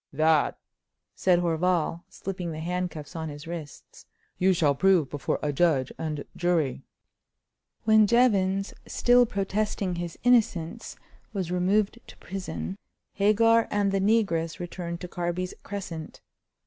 "That," said Horval, slipping the handcuffs on his wrists, "you shall prove before a judge and jury." When Jevons, still protesting his innocence, was removed to prison, Hagar and the negress returned to Carby's Crescent.